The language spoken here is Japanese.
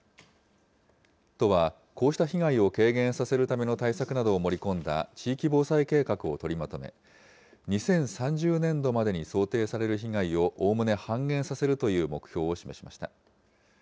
都は、こうした被害を軽減させるための対策などを盛り込んだ地域防災計画を取りまとめ、２０３０年度までに想定される被害をおおむね半減させるという目標を示しました。